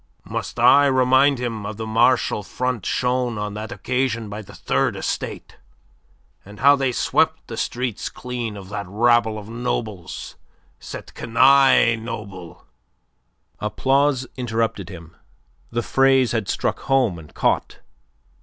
Must I remind him of the martial front shown on that occasion by the Third Estate, and how they swept the streets clean of that rabble of nobles cette canaille noble..." Applause interrupted him. The phrase had struck home and caught.